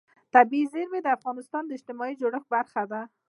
طبیعي زیرمې د افغانستان د اجتماعي جوړښت برخه ده.